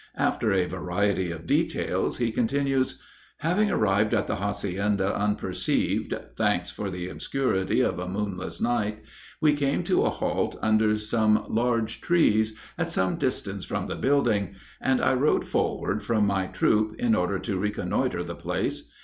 After a variety of details, he continues: "Having arrived at the hacienda unperceived, thanks for the obscurity of a moonless night, we came to a halt under some large trees, at some distance from the building, and I rode forward from my troop, in order to reconnoitre the place.